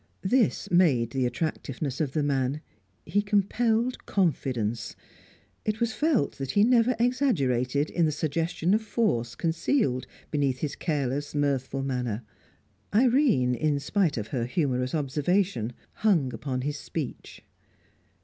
This made the attractiveness of the man; he compelled confidence; it was felt that he never exaggerated in the suggestion of force concealed beneath his careless, mirthful manner. Irene, in spite of her humorous observation, hung upon his speech.